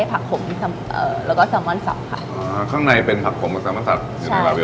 แต่เราปรุงให้แบบ